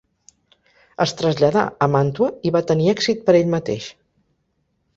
Es traslladà a Màntua i va tenir èxit per ell mateix.